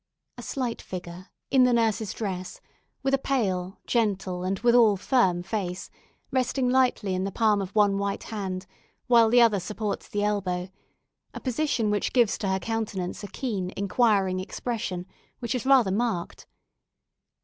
A slight figure, in the nurses' dress; with a pale, gentle, and withal firm face, resting lightly in the palm of one white hand, while the other supports the elbow a position which gives to her countenance a keen inquiring expression, which is rather marked.